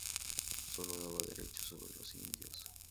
Solo daba derecho sobre los indios.